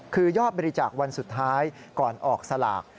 คือยอดบริจาควันสุดท้ายก่อนออกสลาก